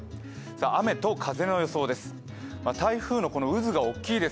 雨と風の予想です。